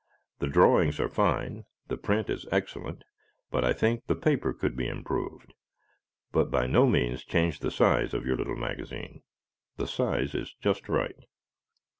The drawings are fine, the print is excellent, but I think the paper could be improved. But by no means change the size of your little magazine. The size is just right.